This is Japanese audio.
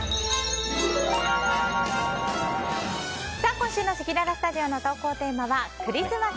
今週のせきららスタジオの投稿テーマはクリスマス！